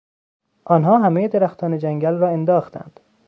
آنها همهی درختان جنگل را انداختند.